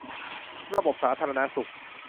ระบบสาธารณสุข